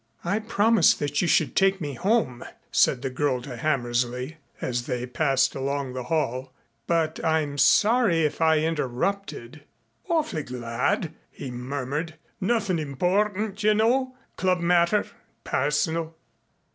"I promised that you should take me home," said the girl to Hammersley as they passed along the hall. "But I'm sorry if I interrupted " "Awf'ly glad," he murmured. "Nothing important, you know. Club matter. Personal."